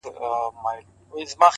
زموږه دوو زړونه دي تل د محبت مخته وي-